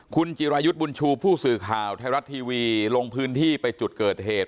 คุณจิรายุทธ์บุญชูผู้สื่อข่าวไทยรัฐทีวีลงพื้นที่ไปจุดเกิดเหตุ